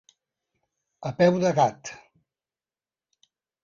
A peu de gat.